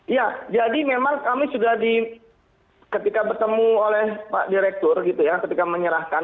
ya jadi memang kami sudah di ketika bertemu oleh pak direktur gitu ya ketika menyerahkan